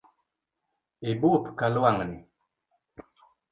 Ibuth kalwangni